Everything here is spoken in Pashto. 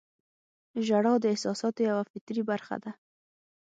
• ژړا د احساساتو یوه فطري برخه ده.